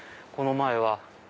この前は。